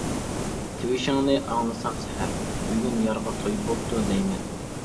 تىۋىشىڭنى ئاڭلىسام سەھەر، بۈگۈن يارغا توي بوپتۇ دەيمەن.